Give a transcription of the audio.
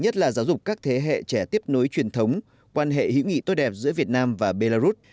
thế hệ trẻ tiếp nối truyền thống quan hệ hữu nghị tốt đẹp giữa việt nam và belarus